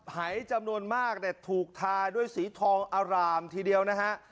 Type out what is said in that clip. หายจำนวนมากเนี่ยถูกทาด้วยสีทองอร่ามทีเดียวนะฮะ